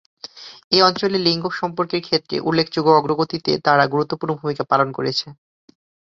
এই অঞ্চলে লিঙ্গ সম্পর্কের ক্ষেত্রে উল্লেখযোগ্য অগ্রগতিতে তারা গুরুত্বপূর্ণ ভূমিকা পালন করেছে।